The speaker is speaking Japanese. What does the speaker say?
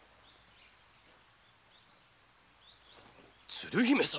鶴姫様！